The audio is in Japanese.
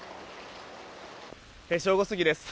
正午過ぎです。